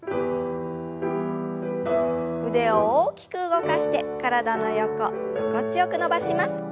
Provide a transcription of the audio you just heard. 腕を大きく動かして体の横心地よく伸ばします。